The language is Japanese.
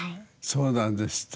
そうなんですって。